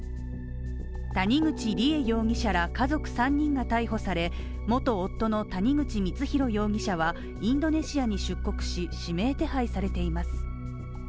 谷口梨恵容疑者ら家族３人が逮捕され、元夫の谷口光弘容疑者は、インドネシアに出国し、指名手配されています。